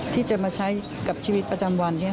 ที่จะมาใช้กับชีวิตประจำวัน